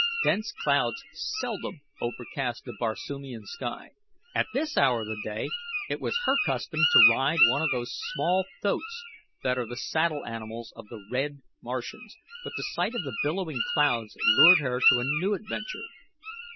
Dense clouds seldom overcast the Barsoomian sky. At this hour of the day it was her custom to ride one of those small thoats that are the saddle animals of the red Martians, but the sight of the billowing clouds lured her to a new adventure.